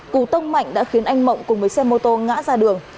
cú tông mạnh đã khiến anh mộng cùng với xe mô tô ngã ra đường